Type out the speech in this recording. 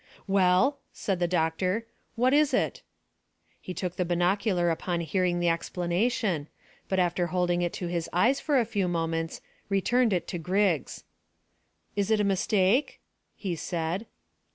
"Well," said the doctor, "what is it?" He took the binocular upon hearing the explanation, but after holding it to his eyes for a few moments returned it to Griggs. "Is it a mistake?" he said.